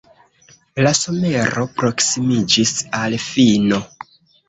La somero proksimiĝis al fino.